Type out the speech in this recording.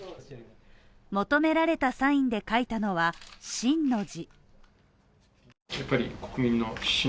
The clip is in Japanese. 求められたサインで書いたのは、「信」の字。